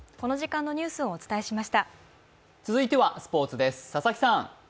続いてはスポーツです。